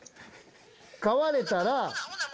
買われたら。